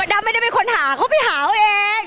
ดำไม่ได้เป็นคนหาเขาไปหาเขาเอง